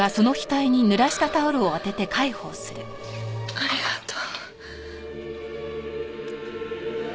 ありがとう。